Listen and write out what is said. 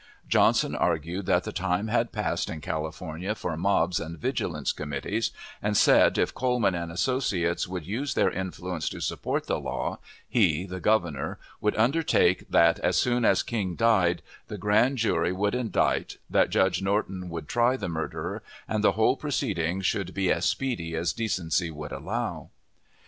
Johnson argued that the time had passed in California for mobs and vigilance committees, and said if Coleman and associates would use their influence to support the law, he (the Governor) would undertake that, as soon as King died, the grand jury should indict, that Judge Norton would try the murderer, and the whole proceeding should be as speedy as decency would allow.